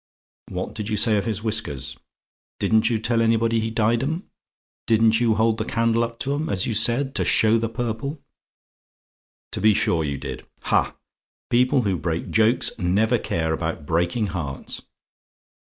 What did you say of his whiskers? Didn't you tell everybody he dyed 'em? Didn't you hold the candle up to 'em, as you said, to show the purple? "TO BE SURE YOU DID? "Ha! people who break jokes never care about breaking hearts.